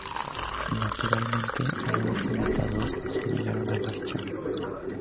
Naturalmente, una vez invitados, se negaron a marchar.